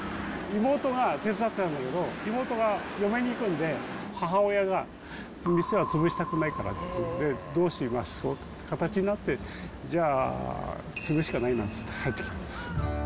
妹が手伝ってたんだけど、妹が嫁に行くんで、母親が店は潰したくないからって言うんで、どうしますかという形になって、じゃあ、継ぐしかないなって、入ってきたんです。